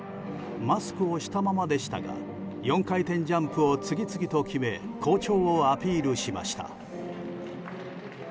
マスクをしたままでしたが４回転ジャンプを次々と決め好調をアピールしました。